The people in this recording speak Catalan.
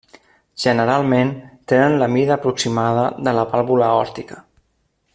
Generalment tenen la mida aproximada de la vàlvula aòrtica.